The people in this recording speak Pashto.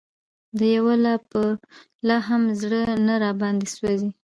د یوه لا هم زړه نه راباندې سوزي